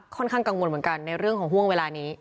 ข้างกังวลเหมือนกันในเรื่องของห่วงเวลานี้